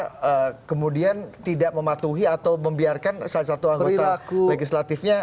tapi partai gerindra kemudian tidak mematuhi atau membiarkan salah satu anggota legislatifnya